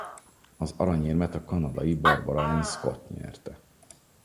Az aranyérmet a kanadai Barbara Ann Scott nyerte.